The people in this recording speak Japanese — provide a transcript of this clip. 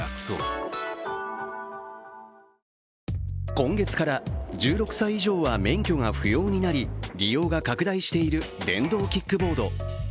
今月から１６歳以上は免許が不要になり利用が拡大している電動キックボード。